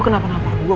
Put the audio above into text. lo kenapa nampak gue